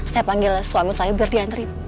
saya panggil suami saya biar diantri